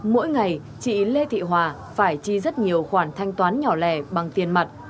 mỗi ngày chị lê thị hòa phải chi rất nhiều khoản thanh toán nhỏ lẻ bằng tiền mặt